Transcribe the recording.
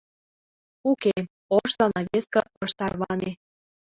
Уке, ош занавеске ыш тарване.